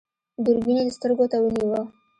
دوربين يې سترګو ته ونيو.